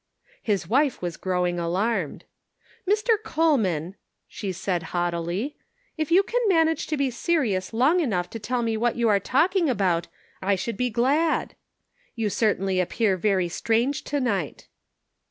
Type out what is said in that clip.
His wife was growing alarmed. "Mr. Coleman," she said, haughtily, "if you can manage to be serious long enough to tell 428 The Pocket Measure. me what you are talking about I should be glad ; you certainly appear very strange to night."